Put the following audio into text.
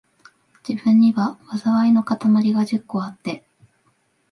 自分には、禍いのかたまりが十個あって、